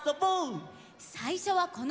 さいしょはこのうた！